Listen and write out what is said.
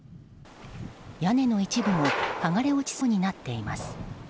屋根の一部も剥がれ落ちそうになっています。